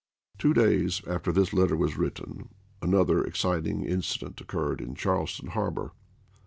Two days after this letter was written another exciting incident occurred in Charleston harbor.